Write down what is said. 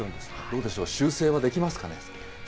どうでしょう、修正はできますかね。